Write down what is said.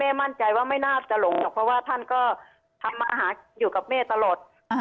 มั่นใจว่าไม่น่าจะหลงหรอกเพราะว่าท่านก็ทำอาหารอยู่กับแม่ตลอด